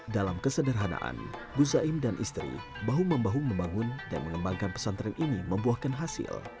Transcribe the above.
dalam kesederhanaan gus zain dan istri bahu membahu membangun dan mengembangkan pesantren ini membuahkan hasil